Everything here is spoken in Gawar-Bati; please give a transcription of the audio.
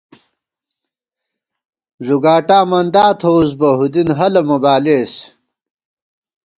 ݫُگاٹا مندا تھووُس بہ ہُدِن ہَلہ مہ بالېس